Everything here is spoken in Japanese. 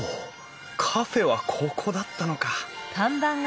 カフェはここだったのか。